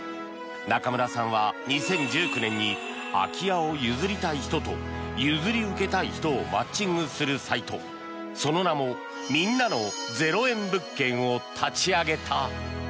中村さんは２０１９年に空き家を譲りたい人と譲り受けたい人をマッチングするサイトその名もみんなの０円物件を立ち上げた。